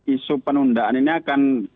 isu penundaan ini akan